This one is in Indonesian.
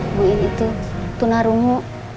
ibu iin itu tunarungu